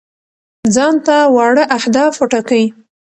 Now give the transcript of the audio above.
ځان ته واړه اهداف وټاکئ.